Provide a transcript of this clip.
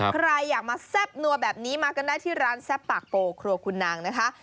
ใครอยากมาแซ่บนัวแบบนี้มากันได้ที่ร้านแซ่บปากโปครัวคุณนางนะคะ